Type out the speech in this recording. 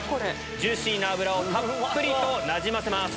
ジューシーな脂をたっぷりとなじませます。